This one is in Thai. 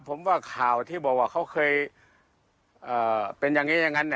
ผมว่าข่าวที่บอกว่าเขาเคยเป็นอย่างนี้อย่างนั้น